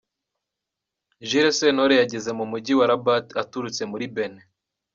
Jules Sentore yageze mu Mujyi wa Rabat aturutse muri Benin.